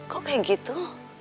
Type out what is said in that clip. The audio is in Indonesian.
kok kayak gitu